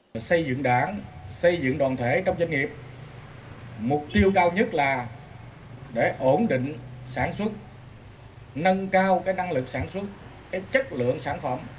tổ chức đảng xây dựng đoàn thể trong doanh nghiệp mục tiêu cao nhất là để ổn định sản xuất nâng cao năng lực sản xuất chất lượng sản phẩm